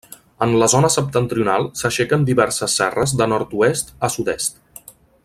En la zona septentrional s'aixequen diverses serres de nord-oest a sud-est.